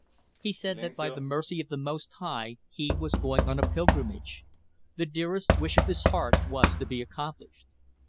He said that by the mercy of the Most High he was going on a pilgrimage. The dearest wish of his heart was to be accomplished.